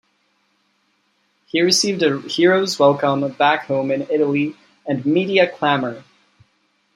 He received a hero's welcome back home in Italy, and media clamour.